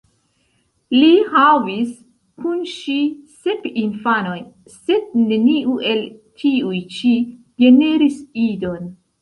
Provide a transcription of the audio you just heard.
Li havis kun ŝi sep infanojn, sed neniu el tiuj ĉi generis idon.